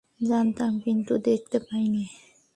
জানতাম, কিন্তু দেখতে পাইনি।